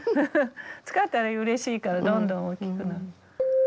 使ったらうれしいからどんどん大きくなる。